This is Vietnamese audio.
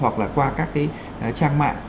hoặc là qua các trang mạng